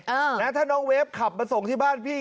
อ่านะถ้าน้องเวฟขับมาส่งที่บ้านพี่